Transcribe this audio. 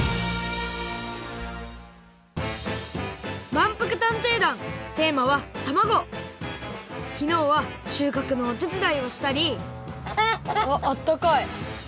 まんぷく探偵団テーマはきのうはしゅうかくのおてつだいをしたりあっあったかい。